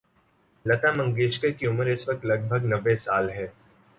لتا منگیشکر کی عمر اس وقت لگ بھگ نّوے سال ہے۔